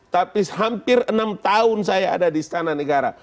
tapi hampir enam tahun saya ada di istana negara